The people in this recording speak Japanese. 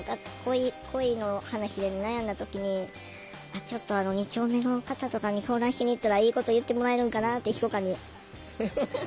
恋の話で悩んだ時にちょっと二丁目の方とかに相談しに行ったらいいこと言ってもらえるんかなってひそかに思ってた。